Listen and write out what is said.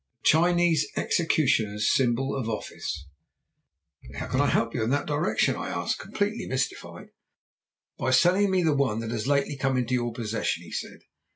"'A Chinese executioner's symbol of office.' "'But how can I help you in that direction?' I asked, completely mystified. "'By selling me one that has lately come into your possession,' he said.